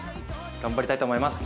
頑張りたいと思います！